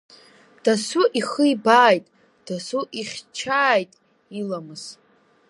Досу ихы ибааит, досу ихьчааит иламыс.